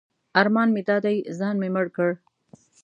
ارمان مې دا دی ځان مې مړ کړ.